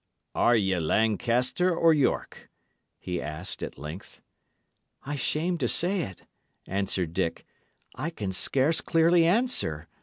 "Are ye Lancaster or York?" he asked, at length. "I shame to say it," answered Dick, "I can scarce clearly answer.